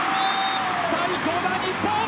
最高だ、日本！